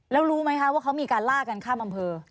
แล้วรู้ไหมคะว่าเขามีการล่ากันข้ามอำเภอ